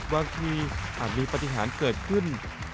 บางทีอาจมีปฏิหารเกิดขึ้น